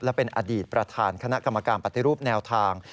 และเป็นอดีตประธานคณะกรรมการปฏิรูปแนวทาง